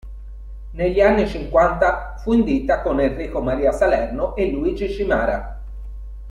Negli anni Cinquanta fu in ditta con Enrico Maria Salerno e Luigi Cimara.